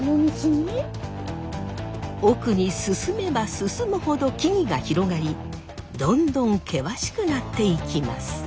奥に進めば進むほど木々が広がりどんどん険しくなっていきます。